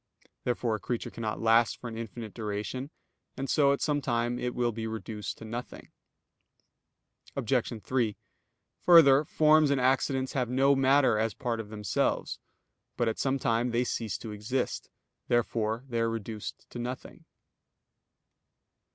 Therefore a creature cannot last for an infinite duration; and so at some time it will be reduced to nothing. Obj. 3: Further, forms and accidents have no matter as part of themselves. But at some time they cease to exist. Therefore they are reduced to nothing.